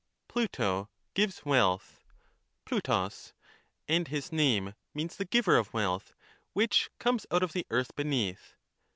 Pluto gives wealth (rrXovro^), and his name means the giver of wealth, which comes out of the earth beneath.